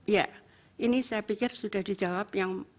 ya ini saya pikir sudah dijawab